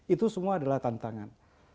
itu semua adalah tantangan